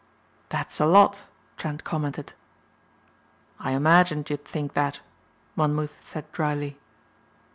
"That's a lot," Trent commented. "I imagined you'd think that," Monmouth said drily.